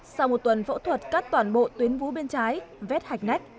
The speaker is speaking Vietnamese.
sau một tuần phẫu thuật cắt toàn bộ tuyến vú bên trái vết hạch nách